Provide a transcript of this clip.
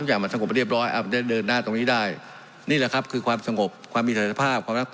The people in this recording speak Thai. ถ้ามันขันแย่งมาก